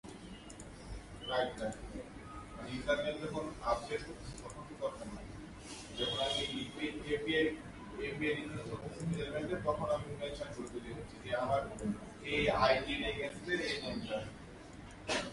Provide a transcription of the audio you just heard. Two publicly funded secondary schools serve the needs of Byron students.